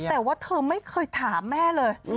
แต่ว่าเธอไม่เคยถามแม่เลย